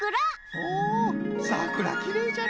おおさくらきれいじゃね。